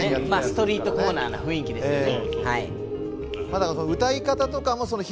ストリートコーナーな雰囲気ですよね。